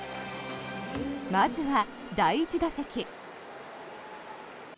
まずは、第１打席。